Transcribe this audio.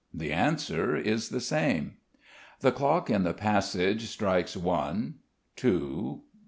The answer is the same. The clock in the passage strikes one,... two